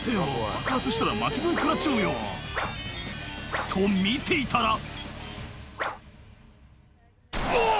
爆発したら巻き添え食らっちゃうよ」と見ていたらうわ！